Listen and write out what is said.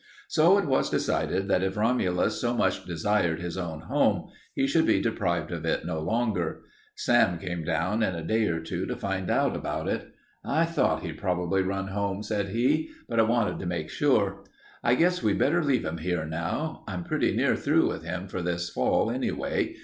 So it was decided that if Romulus so much desired his own home, he should be deprived of it no longer. Sam came down in a day or two to find out about it. "I thought he'd probably run home," said he, "but I wanted to make sure. I guess we'd better leave him here now. I'm pretty near through with him for this fall, anyway.